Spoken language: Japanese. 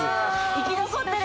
生き残ってる！